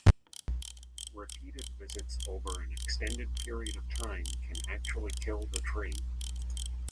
Repeated visits over an extended period of time can actually kill the tree.